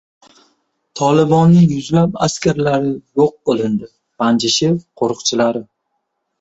Tolibonning yuzlab askarlari yo‘q qilindi — Panjshir qo‘riqchilari